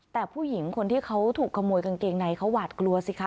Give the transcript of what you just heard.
แต่ผู้หญิงคนที่เขาถูกขโมยกางเกงในเขาหวาดกลัวสิคะ